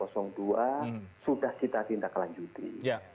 sudah cita cita tindak lanjuti